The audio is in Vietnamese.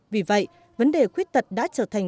vì vậy vấn đề khuyết tật đã trở thành